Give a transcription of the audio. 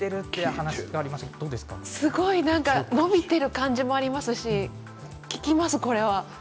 すごい伸びている感じもありますし効きます。